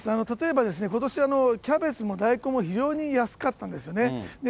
例えば、ことしはキャベツも大根も非常に安かったんですね。